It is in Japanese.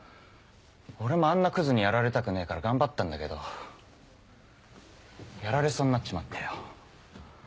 俺もあんなクズにやられたくねえから頑張ったんだけどやられそうになっちまってよ。